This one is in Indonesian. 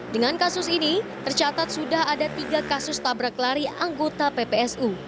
dengan kasus ini tercatat sudah ada tiga kasus tabrak lari anggota ppsu